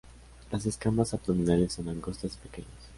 Las escamas abdominales son angostas y pequeñas.